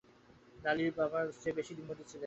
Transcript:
লালির বাবার চেয়েও বেশিদিন বন্দী ছিলে?